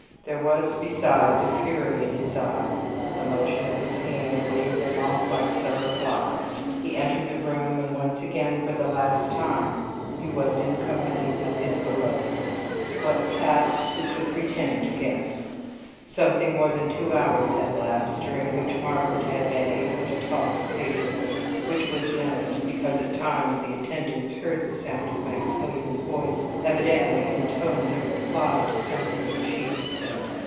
There was, besides, a fury in his eye. A motion of his hand waved them off like summer flies; he entered the room, and once again, for the last time, he was in company with his beloved. What passed who could pretend to guess? Something more than two hours had elapsed, during which Margaret had been able to talk occasionally, which was known, because at times the attendants heard the sound of Maximilian's voice evidently in tones of reply to something which she had said.